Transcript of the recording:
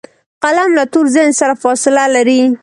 قلم له تور ذهن سره فاصله لري